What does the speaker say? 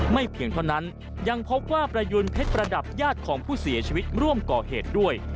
เพียงเท่านั้นยังพบว่าประยุณเพชรประดับญาติของผู้เสียชีวิตร่วมก่อเหตุด้วย